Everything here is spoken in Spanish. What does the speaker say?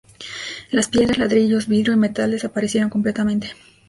Las piedras, ladrillos, vidrio y metal desaparecieron completamente.